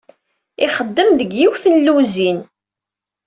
Ixeddem deg yiwet n lluzin.